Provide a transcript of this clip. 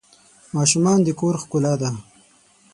ماشومان د کور ښکلا ده.